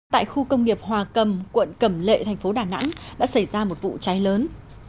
tại khu công nghiệp hòa cầm quận cẩm lệ thành phố đà nẵng đã xảy ra một vụ cháy lớn